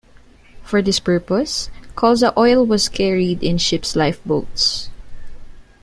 For this purpose, colza oil was carried in ship's lifeboats.